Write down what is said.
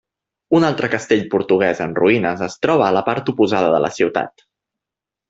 Un altre castell portuguès en ruïnes es troba a la part oposada de la ciutat.